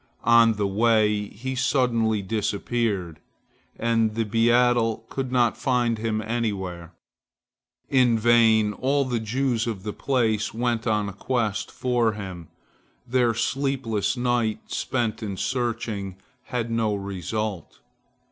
On the way, he suddenly disappeared, and the beadle could not find him anywhere. In vain all the Jews of the place went on a quest for him. Their sleepless night, spent in searching, had no result.